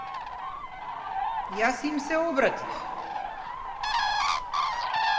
Јас им се обратив.